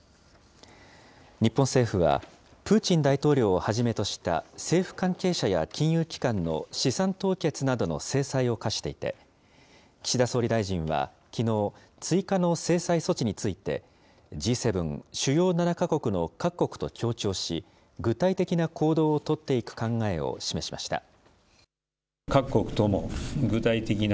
日本政府は、プーチン大統領をはじめとした政府関係者や金融機関の資産凍結などの制裁を科していて、岸田総理大臣はきのう、追加の制裁措置について、Ｇ７・主要７か国の各国と協調し、具体的な行動を取っていく考えを示しました。